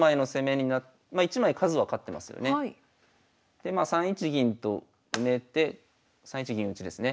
でまあ３一銀と埋めて３一銀打ですね。